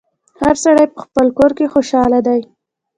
هر سړی په خپل کور کي خوشحاله دی